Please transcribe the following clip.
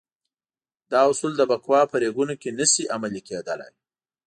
دا اصول د بکواه په ریګونو کې نه شي عملي کېدلای.